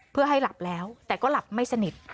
เพื่อให้หลับแล้วแต่ก็หลับไม่สนิท